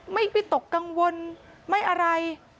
ไม่วิตกกังวลไม่อะไร